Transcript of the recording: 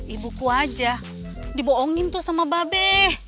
ibuku aja dibohongin tuh sama babe